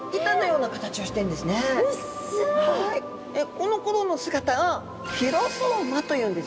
このころの姿をフィロソーマというんですね。